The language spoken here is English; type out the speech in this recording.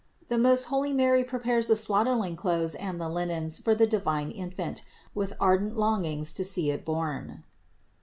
THE MOST HOLY MARY PREPARES THE SWADDLING CLOTHES AND THE LINENS FOR THE DIVINE INFANT WITH ARDENT LONGINGS TO SEE IT BORN.